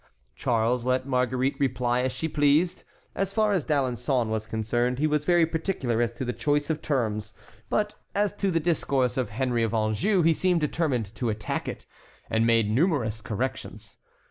Charles let Marguerite reply as she pleased. As far as D'Alençon was concerned he was very particular as to the choice of terms; but as to the discourse of Henry of Anjou he seemed determined to attack it, and made numerous corrections.